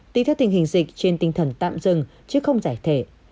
tùy theo tình hình dịch trên tinh thần tạm dừng chứ không giải thể